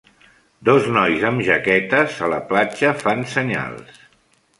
Dos nois amb jaquetes a la platja fan senyals.